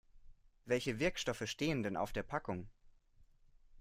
Welche Wirkstoffe stehen denn auf der Packung?